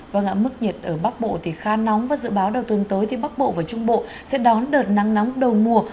vâng ạ mức nhiệt ở bắc bộ thì khá nóng và dự báo đầu tuần tới thì bắc bộ và trung bộ sẽ đón đợt nắng nóng đầu mùa